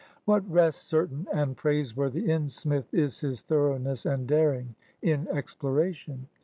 What rests certain and praiseworthy in Smith is his thoroughness and daring in exploration.